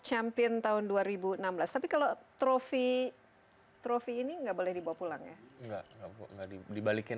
champion tahun dua ribu enam belas tapi kalau trofi trofi ini nggak boleh dibawa pulang ya enggak enggak dibalikin